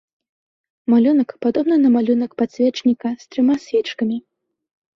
Малюнак падобны на малюнак падсвечніка з трыма свечкамі.